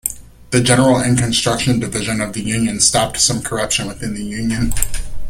The General and Construction Division of the union stopped some corruption within the union.